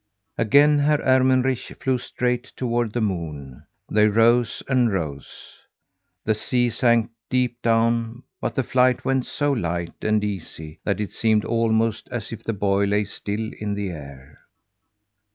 Again Herr Ermenrich flew straight toward the moon. They rose and rose; the sea sank deep down, but the flight went so light and easy that it seemed almost as if the boy lay still in the air.